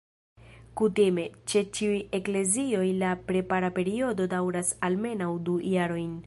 Kutime, ĉe ĉiuj eklezioj la prepara periodo daŭras almenaŭ du jarojn.